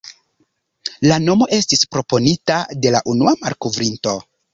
La nomo estis proponita de la unua malkovrinto.